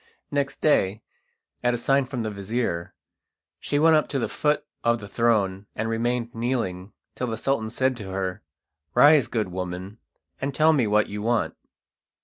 Next day, at a sign from the vizir, she went up to the foot of the throne, and remained kneeling till the Sultan said to her: "Rise, good woman, and tell me what you want."